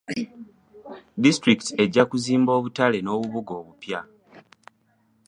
Disitulikiti ejja kuzimba obutale n'obubuga obupya.